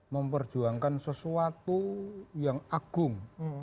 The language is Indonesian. memperjuangkan sesuatu yang agung